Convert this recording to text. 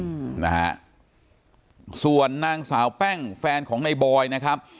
อืมนะฮะส่วนนางสาวแป้งแฟนของในบอยนะครับ